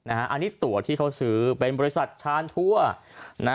อันนี้ตัวที่เขาซื้อเป็นบริษัทชานทั่ว